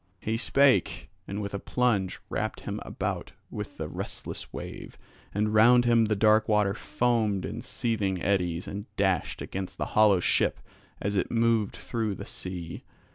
He spake, and with a plunge wrapped him about with the restless wave; and round him the dark water foamed in seething eddies and dashed against the hollow ship as it moved through the sea.